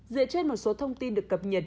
dựa trên một số thông tin được cập nhật